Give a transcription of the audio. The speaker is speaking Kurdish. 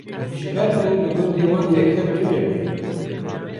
Ji ber ku li gundê wan mekteb tunebû